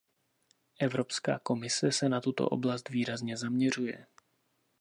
Evropská komise se na tuto oblast výrazně zaměřuje.